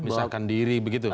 memisahkan diri begitu